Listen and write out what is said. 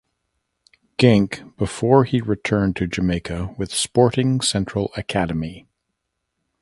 Genk before he returned to Jamaica with Sporting Central Academy.